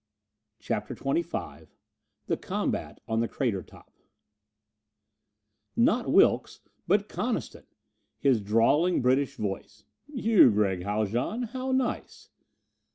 CHAPTER XXV The Combat on the Crater top Not Wilks, but Coniston! His drawling, British voice: "You, Gregg Haljan! How nice!"